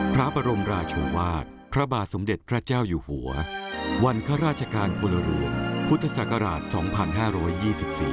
พระบรมราชวาสพระบาทสมเด็จพระเจ้าอยู่หัววันข้าราชการกลหลวงพุทธศักราชสองพันห้าร้อยยี่สิบสี่